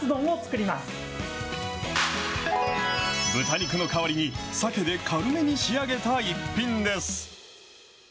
豚肉の代わりにさけで軽めに仕上げた一品です。